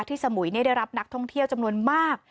สมุยได้รับนักท่องเที่ยวจำนวนมาก